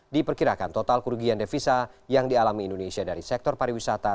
diperkirakan total kerugian devisa yang dialami indonesia dari sektor pariwisata